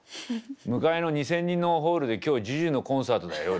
「向かいの２，０００人のホールで今日ＪＵＪＵのコンサートだ夜。